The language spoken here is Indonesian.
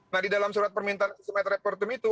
nah di dalam surat permintaan visum raya trappertum itu